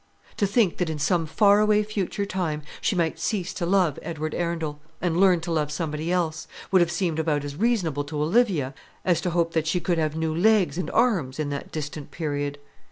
To think that in some far away future time she might cease to love Edward Arundel, and learn to love somebody else, would have seemed about as reasonable to Olivia as to hope that she could have new legs and arms in that distant period.